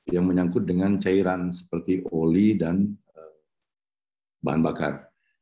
yang menyangkut dengan cairan seperti oli dan bahan bakar